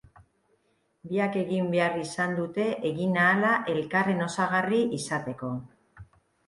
Biak egin behar izan dute eginahala elkarren osagarri izateko.